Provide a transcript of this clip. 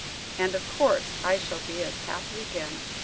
And of course I shall be as happy again.